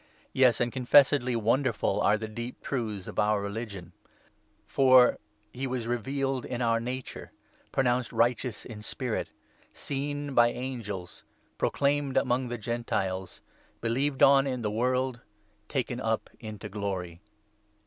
Yes, and confessedly wonderful are the 16 deep truths of our religion ; for —' He was revealed in our nature, Pronounced righteous in spirit, Seen by angels, Proclaimed among the Gentiles, Believed on in the world, Taken up into glory.'